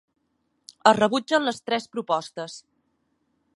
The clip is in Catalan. Es rebutgen les tres propostes.